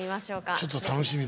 ちょっと楽しみだな。